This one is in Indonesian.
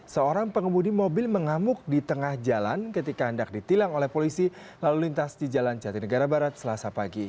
seorang pengemudi mobil mengamuk di tengah jalan ketika hendak ditilang oleh polisi lalu lintas di jalan jati negara barat selasa pagi